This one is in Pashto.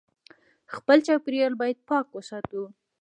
خپل چاپېریال باید پاک وساتو